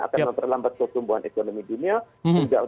akan memperlambat pertumbuhan ekonomi dunia